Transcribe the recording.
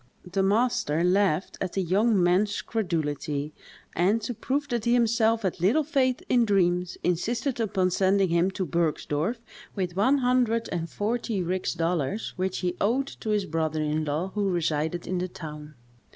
The master laughed at the young man's credulity, and, to prove that he himself had little faith in dreams, insisted upon sending him to Bergsdorff with one hundred and forty rix dollars, which he owed to his brother in law, who resided in the town.